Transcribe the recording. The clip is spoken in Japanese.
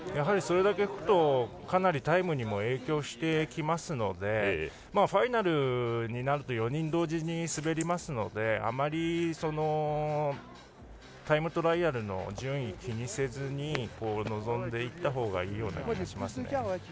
それだけ吹くと、かなりタイムにも影響してきますのでファイナルになると４人同時に滑りますのであまり、タイムトライアルの順位を気にせず臨んでいったほうがいいような気がしますね。